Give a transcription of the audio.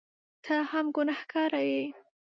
ته هم ګنهکاره یې !